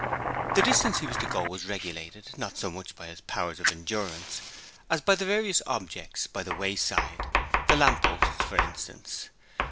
The distance he was to go was regulated, not so much by his powers of endurance as by the various objects by the wayside the lamp posts, for instance.